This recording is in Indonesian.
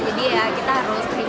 jadi ya kita harus terima